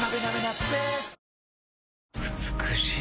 美しい。